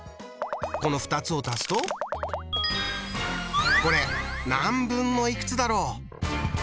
この２つを足すとこれ何分のいくつだろう？